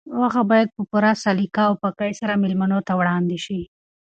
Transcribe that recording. غوښه باید په پوره سلیقه او پاکۍ سره مېلمنو ته وړاندې شي.